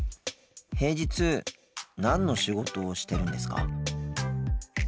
平日なんの仕事をしてるんですか？